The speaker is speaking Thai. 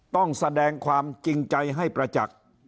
ต้องแสดงความจริงใจให้ประจักษ์